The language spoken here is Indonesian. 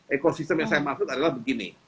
ekosistem yang saya maksud adalah begini